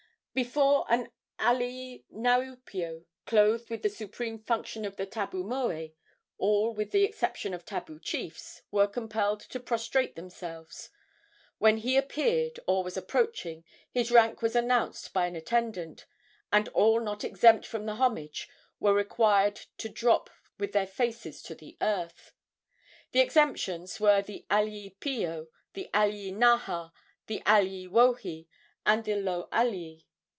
Before an alii niaupio, clothed with the supreme function of the tabu moe, all, with the exception of tabu chiefs, were compelled to prostrate themselves. When he appeared or was approached his rank was announced by an attendant, and all not exempt from the homage were required to drop with their faces to the earth. The exemptions were the alii pio, the alii naha, the alii wohi and the lo alii.